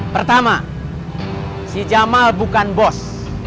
pertama si jamal bukan bos